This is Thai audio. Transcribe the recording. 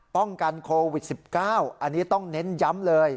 ป้องกันโควิด๑๙อันนี้ต้องเน้นย้ำเลย